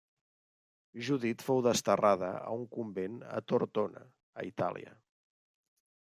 Judit fou desterrada a un convent a Tortona a Itàlia.